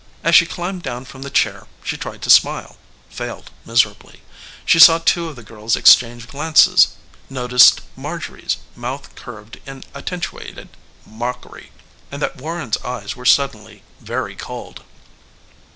As she climbed down from the chair she tried to smile failed miserably. She saw two of the girls exchange glances; noticed Marjorie's mouth curved in attenuated mockery and that Warren's eyes were suddenly very cold.